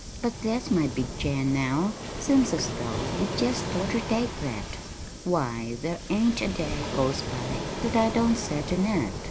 "But there's my big chair now seems as though we jest oughter take that. Why, there ain't a day goes by that I don't set in it!"